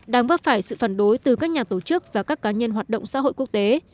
đang vấp phải sự phản đối từ các nhà tổ chức và các cá nhân hoạt động xã hội quốc tế